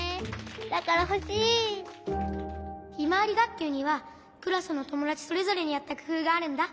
ひまわりがっきゅうにはクラスのともだちそれぞれにあったくふうがあるんだ。